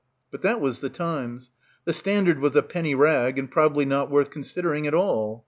But that was "The Times." "The Standard" was a penny rag and probably not worth consider* ing at all.